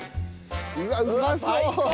うわっうまそう！